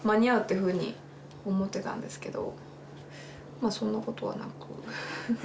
まあそんなことはなく。